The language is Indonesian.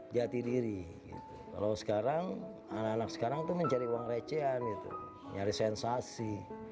jati diri kalau sekarang anak anak sekarang tuh mencari uang recean itu nyaris sensasi